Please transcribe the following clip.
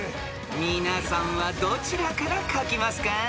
［皆さんはどちらから書きますか？］